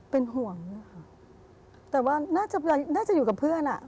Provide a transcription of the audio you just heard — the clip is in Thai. เป็นห่วงค่ะแต่ว่าน่าจะอยู่กับเพื่อนอ่ะ